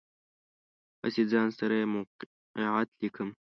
هسې ځان سره یې موقعیت لیکم.